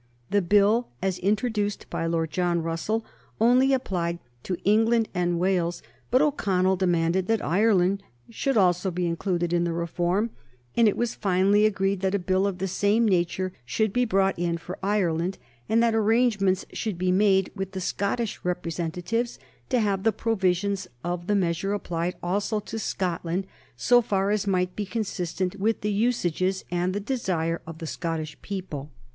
The Bill, as introduced by Lord John Russell, only applied to England and Wales; but O'Connell demanded that Ireland should also be included in the reform, and it was finally agreed that a Bill of the same nature should be brought in for Ireland, and that arrangements should be made with the Scottish representatives to have the provisions of the measure applied also to Scotland so far as might be consistent with the usages and the desire of the Scottish people.